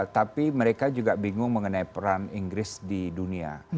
tapi mereka juga bingung mengenai peran inggris di dunia